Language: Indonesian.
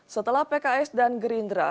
setelah pks dan gerindra